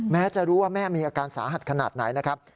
แม้จะรู้ว่าแม่มีอาการสาหัสขนาดไหนนะครับ